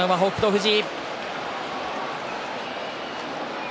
富士。